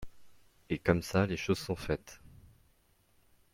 Et comme ça les choses sont faites.